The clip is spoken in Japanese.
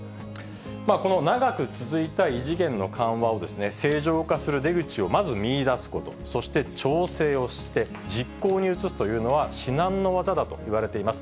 この長く続いた異次元の緩和を正常化する出口をまず見いだすこと、そして調整をして、実行に移すというのは至難の業だといわれています。